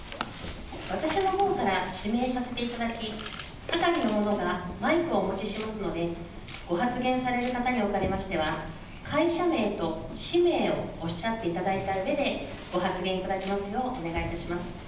私のほうから指名させていただき、係の者がマイクをお持ちしますので、ご発言される方におかれましては、会社名と氏名をおっしゃっていただいたうえで、ご発言いただきますようお願いいたします。